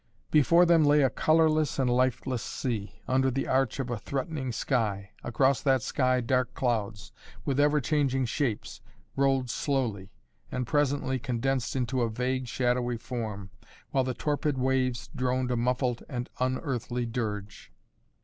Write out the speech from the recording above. Before them lay a colorless and lifeless sea, under the arch of a threatening sky. Across that sky dark clouds, with ever changing shapes, rolled slowly, and presently condensed into a vague shadowy form, while the torpid waves droned a muffled and unearthly dirge.